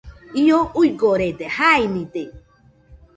Io uigorede, jainide,